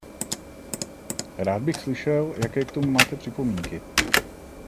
Rád bych slyšel, jaké k tomu máte připomínky.